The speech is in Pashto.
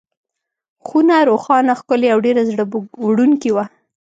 خونه روښانه، ښکلې او ډېره زړه وړونکې وه.